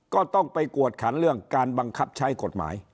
ก็ต้องไปกวดขันเรื่องการบังคับใช้กฎหมาย